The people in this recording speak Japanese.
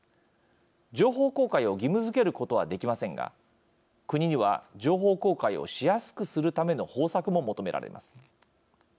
情報公開を義務づけることはできませんが、国には情報公開をしやすくするための方策も求められます。